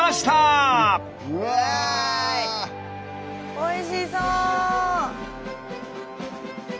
おいしそう。